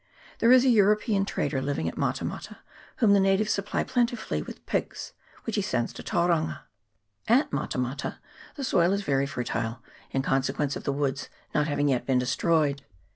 There is a European trader living at Mata mata, whom the natives supply plentifully with pigs, which he sends to Tauranga. At mata Mata the soil is very fertile in conse quence of the woods not having yet been destroyed.